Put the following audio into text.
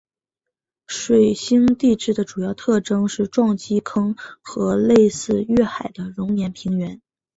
水星地质的主要特征是撞击坑和类似月海的熔岩平原。